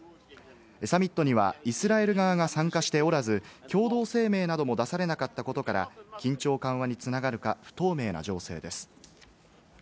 サミットにはイスラエル側が参加しておらず、共同声明なども出されなかったことから緊張緩和に繋がるか不透明な情勢です。